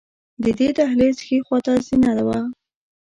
د دې دهلېز ښې خواته زینه وه.